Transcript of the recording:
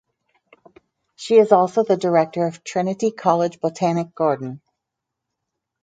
She is also the Director of Trinity College Botanic Garden.